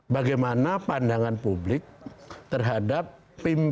bagaimana pandangan publik terhadap pimpinan satu lebaga besar seperti ini